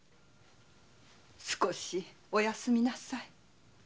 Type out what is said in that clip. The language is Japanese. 少しお休みなさい。